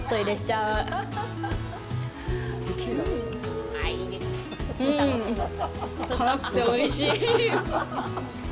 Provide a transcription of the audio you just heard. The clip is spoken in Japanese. うーん、辛くておいしい。